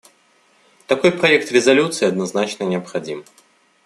Такой проект резолюции однозначно необходим.